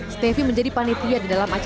stefi menjadi panitia di dalam acara